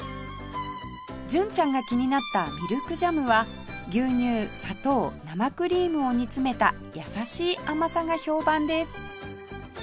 純ちゃんが気になったミルクジャムは牛乳砂糖生クリームを煮詰めた優しい甘さが評判です